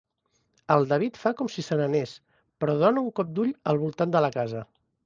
El David fa com si se'n anés, però dona un cop d'ull al voltant de la casa.